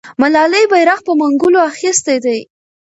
ملالۍ بیرغ په منګولو اخیستی دی.